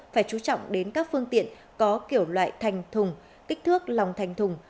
phải chú trọng đến các phương tiện có kiểu loại thành thùng kích thước lòng thành thùng